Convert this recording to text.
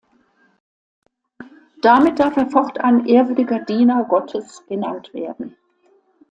Damit darf er fortan ehrwürdiger Diener Gottes genannt werden.